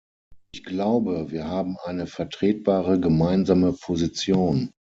Ich glaube, wir haben eine vertretbare gemeinsame Position.